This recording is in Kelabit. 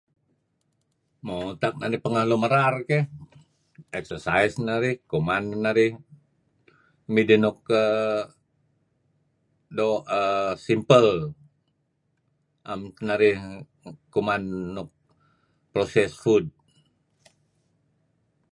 Mo utak narih pengeh lun merar keh exercise narih, kuman neh narih nuk midih nuk err doo' err simple am teh narih kuman nuk processed food.